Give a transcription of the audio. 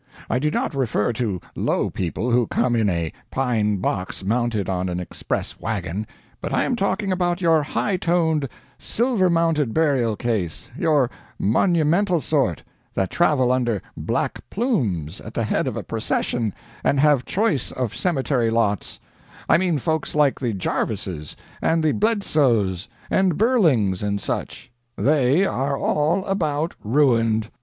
I do not refer to low people who come in a pine box mounted on an express wagon, but I am talking about your high toned, silver mounted burial case, your monumental sort, that travel under black plumes at the head of a procession and have choice of cemetery lots I mean folks like the Jarvises, and the Bledsoes and Burlings, and such. They are all about ruined.